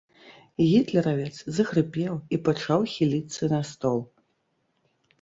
Гітлеравец захрыпеў і пачаў хіліцца на стол.